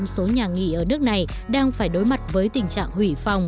bốn mươi số nhà nghỉ ở nước này đang phải đối mặt với tình trạng hủy phòng